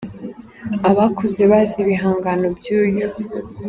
Abakuze bazi ibihangano byuyu